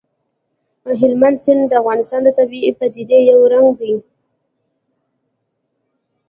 هلمند سیند د افغانستان د طبیعي پدیدو یو رنګ دی.